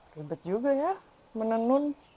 ribet juga ya menenun